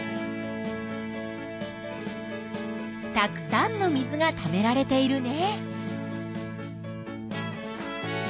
たくさんの水がためられているね。